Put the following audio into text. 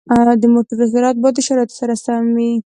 د موټرو سرعت باید د شرایطو سره سم وي.